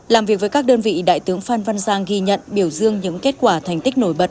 làm việc với các đơn vị đại tướng phan văn giang ghi nhận biểu dương những kết quả thành tích nổi bật